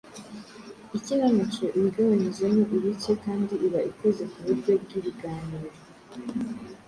Ikinamico iba igabanyijemo ibice kandi iba ikoze ku buryo bw’ibiganiro